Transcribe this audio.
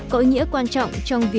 có ý nghĩa quan trọng trong lòng đá vôi